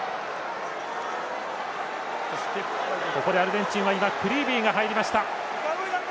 ここでアルゼンチンはクリービーが入りました。